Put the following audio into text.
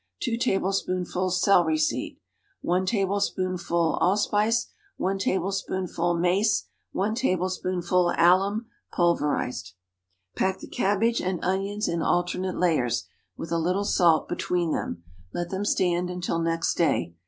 2 tablespoonfuls celery seed. 1 tablespoonful allspice. 1 tablespoonful mace. 1 tablespoonful alum, pulverized. Pack the cabbage and onions in alternate layers, with a little salt between them. Let them stand until next day.